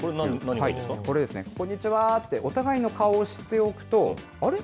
これですね、こんにちはって、お互いの顔を知っておくと、あれっ？